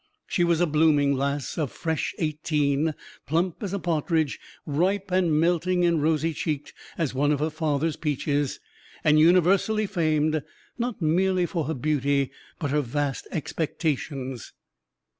She was a blooming lass of fresh eighteen; plump as a partridge, ripe and melting and rosy cheeked as one of her father's peaches, and universally famed, not merely for her beauty, but her vast expectations.